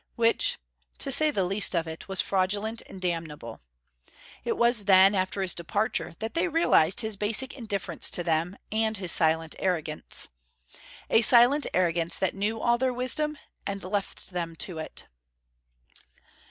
Which, to say the least of it, was fraudulent and damnable. It was then, after his departure, that they realised his basic indifference to them, and his silent arrogance. A silent arrogance that knew all their wisdom, and left them to it.